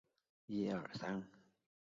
栽培山黧豆是一种豆科植物。